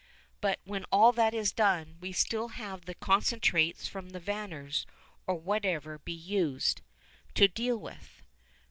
But when all that is done we still have the concentrates from the vanners, or whatever be used, to deal with.